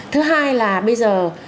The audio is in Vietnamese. thứ hai là bây giờ